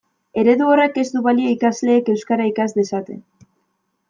Eredu horrek ez du balio ikasleek euskara ikas dezaten.